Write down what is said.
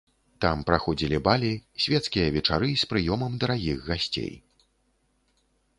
Там праходзілі балі, свецкія вечары з прыёмам дарагіх гасцей.